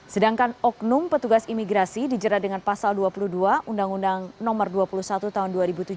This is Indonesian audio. sedangkan oknum petugas imigrasi dijerat dengan pasal dua puluh dua undang undang no dua puluh satu tahun dua ribu tujuh belas